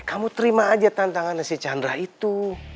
kamu terima aja tantangan si chandra itu